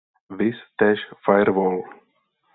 Viz též firewall.